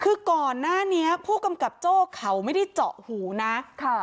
คือก่อนหน้านี้ผู้กำกับโจ้เขาไม่ได้เจาะหูนะค่ะ